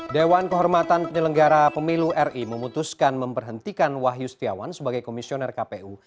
dewan kehormatan penyelenggara pemilu ri memutuskan memberhentikan wahyu setiawan sebagai komisioner kpu